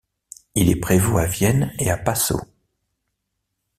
Il est prévôt à Vienne et à Passau.